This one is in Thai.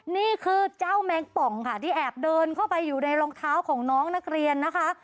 นี่คือเจ้าแมงป่องค่ะที่แอบเดินเข้าไปอยู่ในรองเท้าของน้องนักเรียนนะคะ